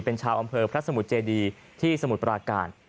เป็นชาวอำเภอพระสมุทรเจดีที่สมุทรปราการ